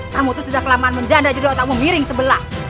kamu itu sudah kelamaan menjanda judul otakmu miring sebelah